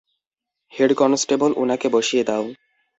Head constable, উনাকে বসিয়ে দাও।